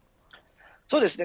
そうですね